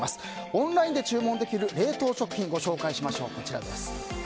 オンラインで注文できる冷凍食品ご紹介しましょう。